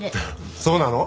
そうなの？